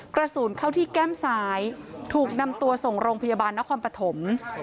กระสุนเข้าที่แก้มซ้ายถูกนำตัวส่งโรงพยาบาลนครปฐม